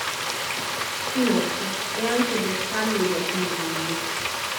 Inoltre è anche bersaglio di alcuni bulli.